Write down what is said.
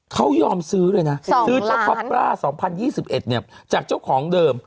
เขายอมซื้อเลยนะซื้อเจ้าคอปร่า๒๐๒๑จากเจ้าของเดิม